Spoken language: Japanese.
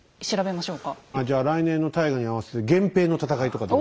まあじゃあ来年の大河に合わせて「源平の戦い」とかどうですか？